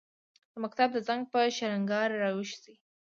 د مکتب د زنګ، په شرنګهار راویښ شي